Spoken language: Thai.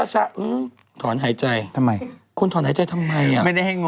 หลายล้าน